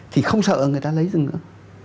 thì không sợ người ta lấy rừng nữa